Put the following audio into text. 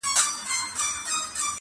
له نېستۍ به سې فارغ په زړه به ښاد سې٫